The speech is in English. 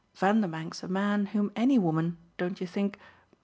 Vanderbank's a man whom any woman, don't you think?